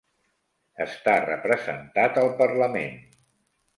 Està representat al parlament.